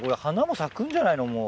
花も咲くんじゃないの？